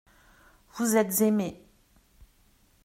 Vous êtes aimés.